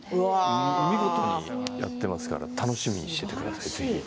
見事にやっていますから楽しみにしていてください。